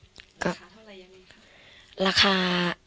สื่อบ้านได้แล้วราคาเท่าไรยังไงคะ